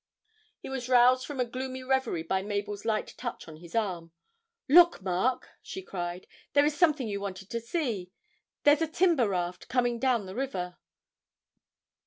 He was roused from a gloomy reverie by Mabel's light touch on his arm. 'Look, Mark,' she cried, 'there is something you wanted to see there's a timber raft coming down the river.'